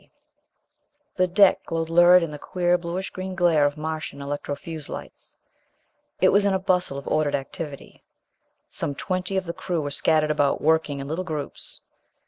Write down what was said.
XXX The deck glowed lurid in the queer blue greenish glare of Martian electro fuse lights. It was in a bustle of ordered activity. Some twenty of the crew were scattered about, working in little groups.